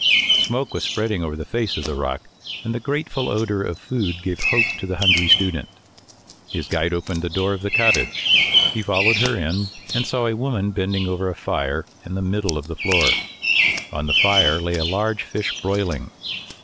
Smoke was spreading over the face of the rock, and the grateful odour of food gave hope to the hungry student. His guide opened the door of the cottage; he followed her in, and saw a woman bending over a fire in the middle of the floor. On the fire lay a large fish broiling.